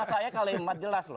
saya kalimat jelas